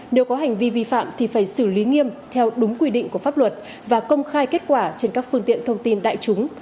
nếu có hành vi vi phạm thì phải xử lý nghiêm theo đúng quy định của pháp luật và công khai kết quả trên các phương tiện thông tin đại chúng